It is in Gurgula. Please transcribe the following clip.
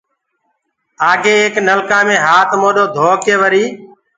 آگي ايڪ نلڪآ مي هآت موڏو ڌوڪي وريٚ